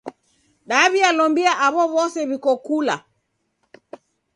Daw'ilombia aw'o w'ose w'iko kula.